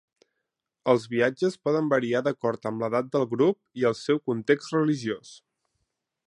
Els viatges poden variar d'acord amb l'edat del grup i el seu context religiós.